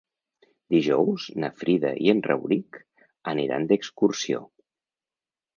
Dijous na Frida i en Rauric aniran d'excursió.